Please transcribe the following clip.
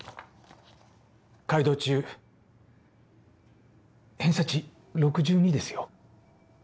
海堂中偏差値６２ですよ。